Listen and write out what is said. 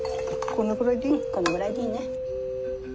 うんこのぐらいでいいね。